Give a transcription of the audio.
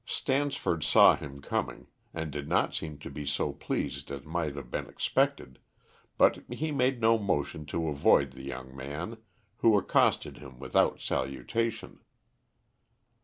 Stansford saw him coming, and did not seem to be so pleased as might have been expected, but he made no motion to avoid the young man, who accosted him without salutation.